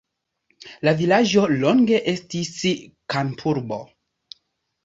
La vilaĝo longe estis kampurbo.